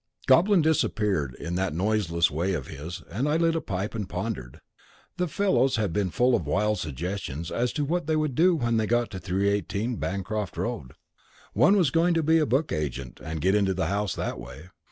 Goblin disappeared in that noiseless way of his, and I lit a pipe and pondered. The fellows had been full of wild suggestions as to what they would do when they got to 318, Bancroft Road. One was going to be a book agent and get into the house that way.